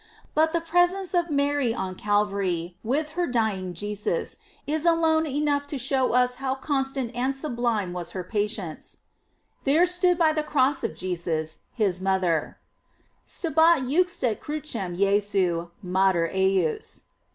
But the presence of Mary on Calvary, with her dying Jesus, is alone enough to show us how constant and sublime was her patience: There stood by the cross of Jesus, his mother: "Stabat juxta crucem Jesu mater ejus."